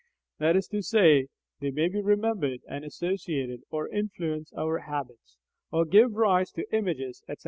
That is to say, they may be remembered and associated or influence our habits, or give rise to images, etc.